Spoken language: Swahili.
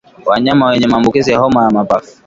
Wanyama wenye maambukizi ya homa ya mapafu